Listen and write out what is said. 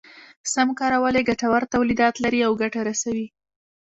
سم کارول يې ګټور توليدات لري او ګټه رسوي.